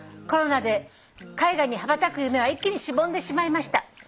コロナで海外に羽ばたく夢は一気にしぼんでしまいました」